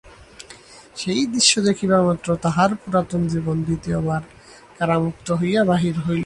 সেই দৃশ্য দেখিবামাত্র তাঁহার পুরাতন জীবন দ্বিতীয়বার কারামুক্ত হইয়া বাহির হইল।